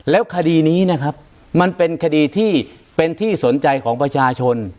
แล้วคดีนี้นะครับมันเป็นคดีที่เป็นที่สนใจของประชาชน